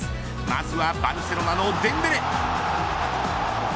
まずはバルセロナのデンベレ。